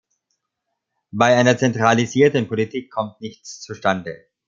Bei einer zentralisierten Politik kommt nichts zustande.